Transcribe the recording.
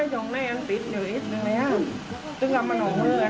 เห็นไหม